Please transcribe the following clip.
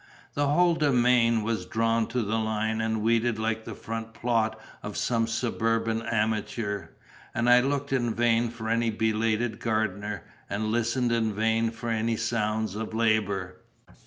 The whole domain was drawn to the line and weeded like the front plot of some suburban amateur; and I looked in vain for any belated gardener, and listened in vain for any sounds of labour.